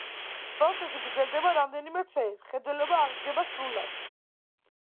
პროცესი გრძელდება რამდენიმე თვე, მხედველობა აღდგება სრულად.